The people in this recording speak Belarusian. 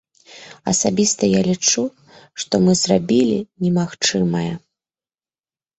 Асабіста я лічу, што мы зрабілі немагчымае.